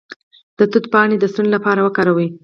د توت پاڼې د ستوني لپاره وکاروئ